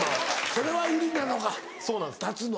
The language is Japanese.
それは売りなのかたつの。